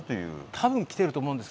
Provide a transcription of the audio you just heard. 多分来ていると思うんです。